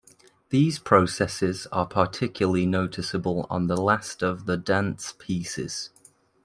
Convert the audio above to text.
These processes are particularly noticeable on the last of the "Dance" pieces.